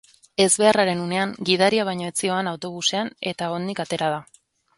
Ezbeharraren unean gidaria baino ez zihoan autobusean eta onik atera da.